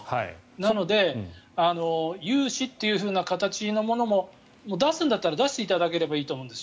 なので、有志という形のものも出すんだったら出していただければいいと思うんです。